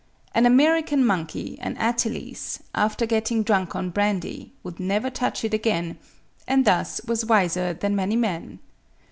An American monkey, an Ateles, after getting drunk on brandy, would never touch it again, and thus was wiser than many men.